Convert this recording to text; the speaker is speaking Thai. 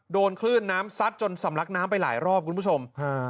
โดนคลื่นน้ำซัดจนสำลักน้ำไปหลายรอบคุณผู้ชม